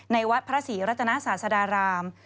วัดพระศรีรัตนาศาสดาราม